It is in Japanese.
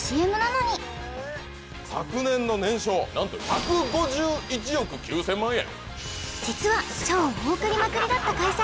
こんななんと１５１億９０００万円